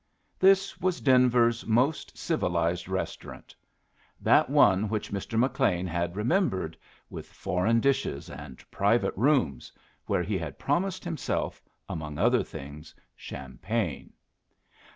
This was Denver's most civilized restaurant that one which Mr. McLean had remembered, with foreign dishes and private rooms, where he had promised himself, among other things, champagne.